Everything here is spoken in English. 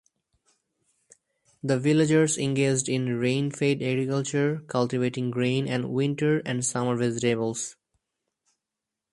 The villagers engaged in rainfed agriculture, cultivating grain and winter and summer vegetables.